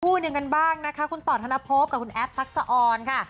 คู่หนึ่งกันบ้างนะคะคุณต่อธนภพกับคุณแอฟทักษะออนค่ะ